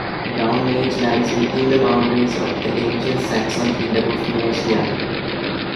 Brown Edge lies within the boundaries of the ancient Saxon kingdom of Mercia.